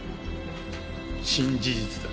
新事実だ。